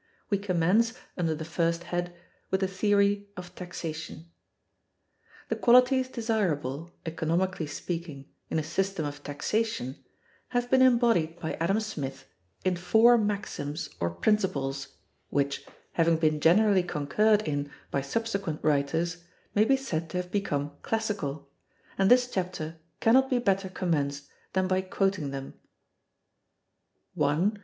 We commence, [under] the first head, with the theory of Taxation. The qualities desirable, economically speaking, in a system of taxation, have been embodied by Adam Smith in four maxims or principles, which, having been generally concurred in by subsequent writers, may be said to have become classical, and this chapter can not be better commenced than by quoting them:(336) "1.